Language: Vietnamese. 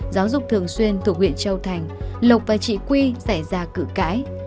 giáo dục thường xuyên thuộc huyện châu thành lộc và chị quy xảy ra cử cãi